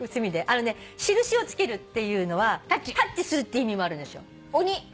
あのね印をつけるっていうのはタッチするっていう意味もあるんです。